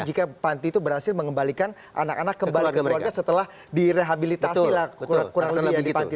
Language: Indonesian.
jika panti itu berhasil mengembalikan anak anak kembali ke keluarga setelah direhabilitasi lah kurang lebih ya di panti